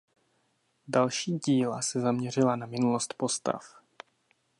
Další díla se zaměřila na minulost postav.